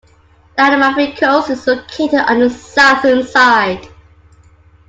The Amalfi Coast is located on the southern side.